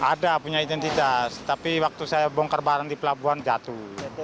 ada punya identitas tapi waktu saya bongkar barang di pelabuhan jatuh